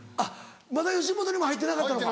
まだ吉本にも入ってなかったのか。